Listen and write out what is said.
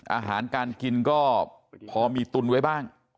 อาหารการกินก็พอมีตุนไว้บ้าง